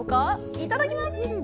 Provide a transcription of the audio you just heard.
いただきます。